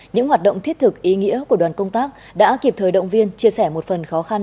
những hoạt động thiết thực ý nghĩa của đoàn công tác đã kịp thời động viên chia sẻ một phần khó khăn